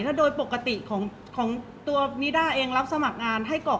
เพราะว่าสิ่งเหล่านี้มันเป็นสิ่งที่ไม่มีพยาน